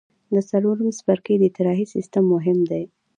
د څلورم څپرکي د اطراحي سیستم مهم دی.